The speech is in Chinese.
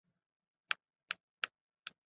著名演员周采芹是她的姑姑。